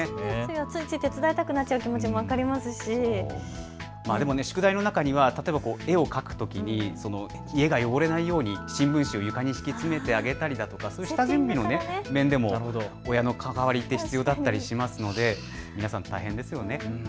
ついつい手伝いたくなる気持ちも分かりますし宿題の中には絵を描くときに家が汚れないように新聞紙を床に敷き詰めてあげたりだとか下準備も親の関わりって必要だったりしますので皆さん大変ですよね。